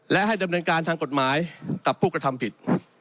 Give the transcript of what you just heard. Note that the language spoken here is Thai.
และให้ดำเนินการทางกฎหมายกับผู้กระทำผิด